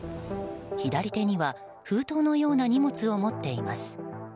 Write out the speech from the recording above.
左手には封筒のような荷物を持っています。